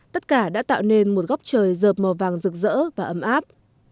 tất cả đã tạo nên một góc trời dợp màu vàng rực rỡ và ấm áp